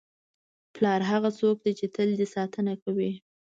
پلار هغه څوک دی چې تل دې ساتنه کوي.